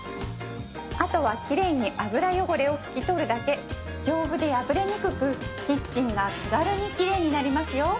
あとは綺麗に油汚れを拭き取るだけ丈夫で破れにくくキッチンが手軽に綺麗になりますよ